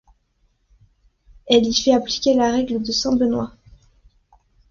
Elle y fait appliquer la règle de saint Benoît.